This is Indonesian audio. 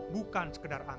bukan sekedar disharmony